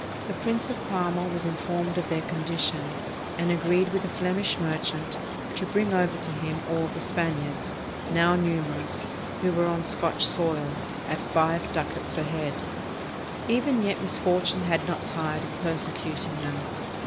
The Prince of Parma was in formed of their condition, and agreed with a Flemish merchant to bring over to him all the Spaniards, now nu merous, who were on Scotch soil, at five ducats a head. 515 SPAIN Even yet misfortune had not tired of persecuting them.